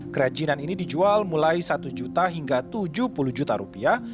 kerajinan ini dijual mulai satu juta hingga tujuh puluh juta rupiah